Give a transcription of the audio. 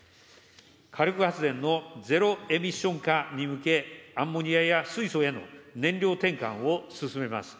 火力発電のゼロエミッション化に向け、アンモニアや水素への燃料転換を進めます。